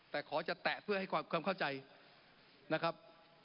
แต่ขอจะแตะเพื่อให้ความเข้าใจนะครับ